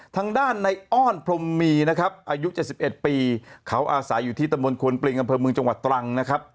ทางด้านในอ้อนพรมมีนะครับอายุ๗๑ปีเขาอาศัยอยู่ที่ตะมนตวนปริงอำเภอเมืองจังหวัดตรังนะครับ